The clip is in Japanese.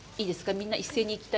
みんな一斉に行きたい。